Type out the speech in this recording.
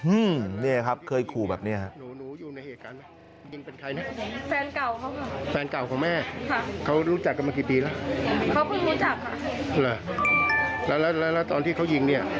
อื้อนี่ครับเคยขู่แบบนี้ครับ